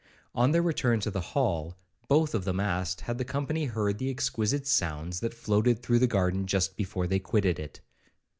On their return to the hall, both of them asked, Had the company heard the exquisite sounds that floated through the garden just before they quitted it?